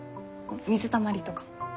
水たまりとかも。